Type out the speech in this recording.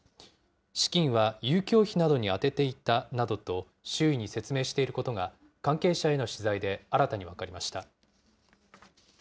資金は遊興費などに充てていたなどと、周囲に説明していることが、関係者への取材で新たに分かりました。